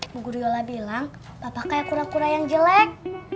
bu guri yola bilang papa kayak kura kura yang jelek